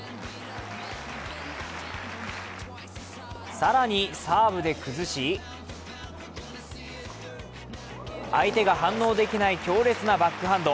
更にサーブで崩し相手が反応できない強烈なバックハンド。